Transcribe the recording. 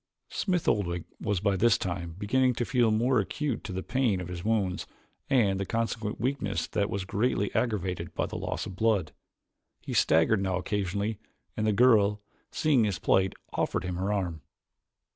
Smith Oldwick was by this time beginning to feel more acutely the pain of his wounds and the consequent weakness that was greatly aggravated by loss of blood. He staggered now occasionally and the girl, seeing his plight, offered him her arm.